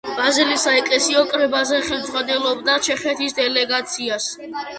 ბაზელის საეკლესიო კრებაზე ხელმძღვანელობდა ჩეხეთის დელეგაციას.